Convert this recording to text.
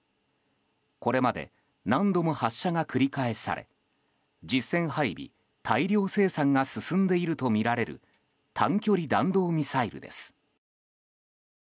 これまで何度も発射が繰り返され実戦配備・大量生産が進んでいるとみられる短距離弾道ミサイルです。